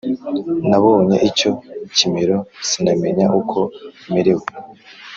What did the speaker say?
nabonye icyo kimero sinamenya uko merewe